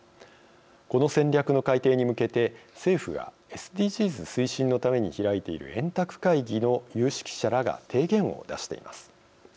この戦略の改定に向けて政府がＳＤＧｓ推進のために開いている円卓会議の有識者らが提言を出しています。